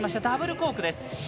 ダブルコークです。